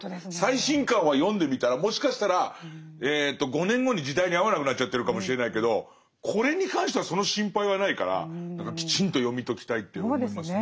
最新刊は読んでみたらもしかしたら５年後に時代に合わなくなっちゃってるかもしれないけどこれに関してはその心配はないからきちんと読み解きたいって思いますね。